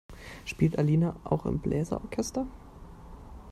Spielt Alina auch im Bläser-Orchester?